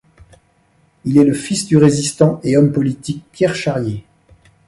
Il est le fils du résistant et homme politique Pierre Charié.